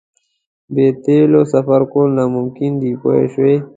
بې تیلو سفر کول ناممکن دي پوه شوې!.